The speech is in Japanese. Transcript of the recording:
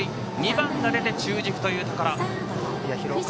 ２番が出て中軸というところ。